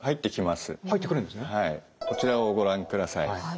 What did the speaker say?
こちらをご覧ください。